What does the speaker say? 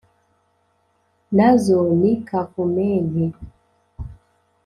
Nazo ni Kavumenti.